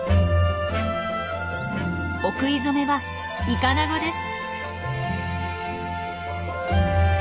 お食い初めはイカナゴです。